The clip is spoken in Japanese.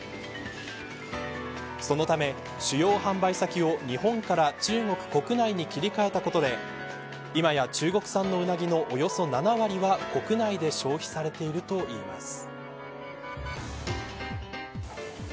そのため、主要販売先を日本から中国国内に切り替えたことで今や中国産のウナギのおよそ７割は国内で消費されているといいます。